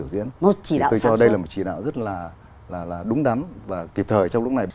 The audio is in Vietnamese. diễn tôi cho đây là một chỉ đạo rất là đúng đắn và kịp thời trong lúc này